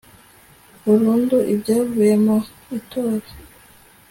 burundu ibyavuye mu itora